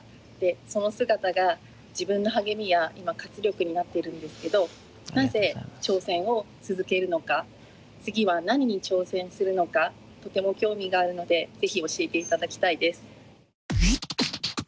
その姿が自分の励みや今活力になっているんですけどなぜ挑戦を続けるのか次は何に挑戦するのかとても興味があるのでぜひ教えて頂きたいです。